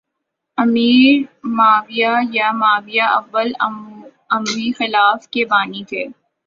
امیر Muawiya یا Muawiya اول اموی خلافت کے بانی تھے